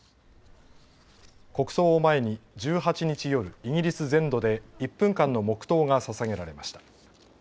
国葬を前に１８日夜、イギリス全土で１分間の黙とうがささげられました。